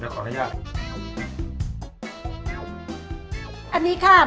ขออนุญาต